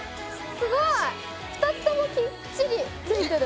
すごい！２つともきっちりついてる。